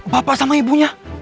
bapak sama ibunya